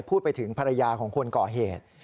พูดไปถึงภรรยาของคนก่อเหตุ